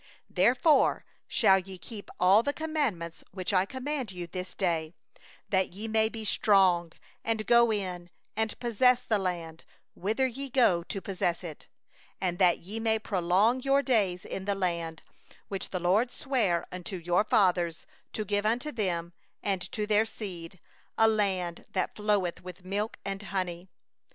8Therefore shall ye keep all the commandment which I command thee this day, that ye may be strong, and go in and possess the land, whither ye go over to possess it; 9and that ye may prolong your days upon the land, which the LORD swore unto your fathers to give unto them and to their seed, a land flowing with milk and honey.